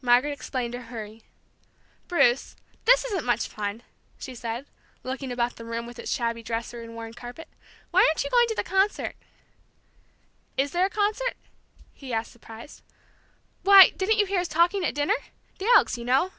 Margaret explained her hurry. "Bruce, this isn't much fun!" she said, looking about the room with its shabby dresser and worn carpet. "Why aren't you going to the concert?" "Is there a concert?" he asked, surprised. "Why, didn't you hear us talking at dinner? The Elks, you know."